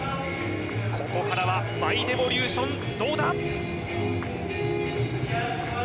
ここからは舞レボリューションどうだ？